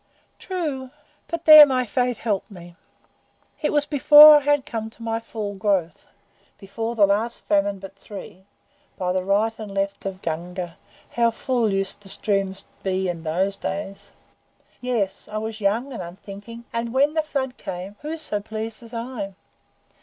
"True; but there my Fate helped me. It was before I had come to my full growth before the last famine but three (by the Right and Left of Gunga, how full used the streams to be in those days!). Yes, I was young and unthinking, and when the flood came, who so pleased as I?